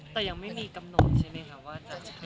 แต่ยังไม่มีกำหนดใช่มั้ยคะ